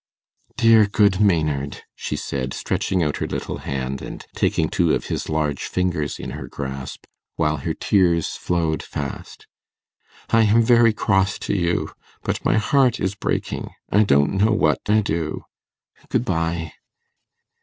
'Dear, good Maynard,' she said, stretching out her little hand, and taking two of his large fingers in her grasp, while her tears flowed fast; 'I am very cross to you. But my heart is breaking. I don't know what I do. Good bye.